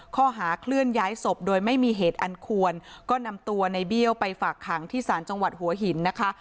ข้อหาเคลื่อนย้ายศพโดยไม่มีเหตุอันควรก็นำตัวในเบี้ยวไปฝากขังที่ศาลจังหวัดหัวหินนะคะ